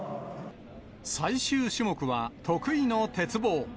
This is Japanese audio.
最終種目は得意の鉄棒。